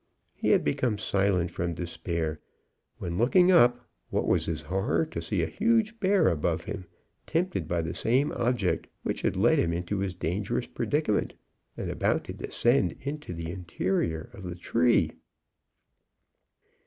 He had become silent from despair, when, looking up, what was his horror to see a huge bear above him, tempted by the same object which had led him into his dangerous predicament, and about to descend into the interior of the tree!